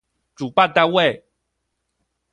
主辦單位